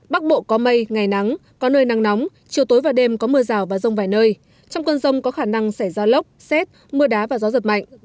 bắc bộ có mây ngày nắng có nơi nắng nóng chiều tối và đêm có mưa rào và rông vài nơi trong cơn rông có khả năng xảy ra lốc xét mưa đá và gió giật mạnh